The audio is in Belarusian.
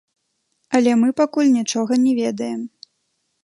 Але мы пакуль нічога не ведаем.